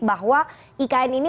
bahwa ikn ini merupakan